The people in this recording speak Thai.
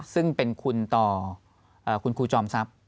ซึ่งเป็นคุณต่อคุณครูจอมทรัพย์